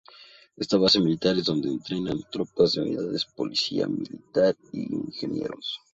Esta base militar es donde entrenan tropas de unidades policía militar y ingenieros.